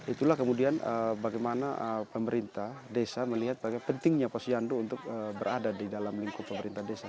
itulah kemudian bagaimana pemerintah desa melihat bagaimana pentingnya posyandu untuk berada di dalam lingkup pemerintah desa